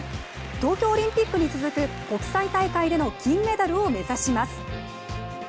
東京オリンピックに続く国際大会での金メダルを目指します。